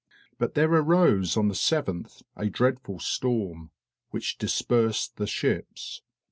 But there arose on the 7th a dreadful storm, which dispersed the ships.